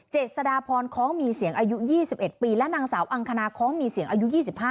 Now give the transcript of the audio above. เจษฎาพรค้องมีเสียงอายุ๒๑ปีและนางสาวอังคณาค้องมีเสียงอายุ๒๕